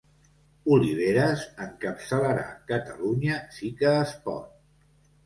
Oliveres encapçalarà Catalunya Sí que es Pot